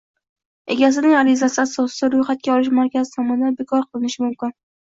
egasining arizasi asosida ro‘yxatga olish markazi tomonidan bekor qilinishi mumkin.